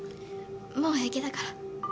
もう平気だから。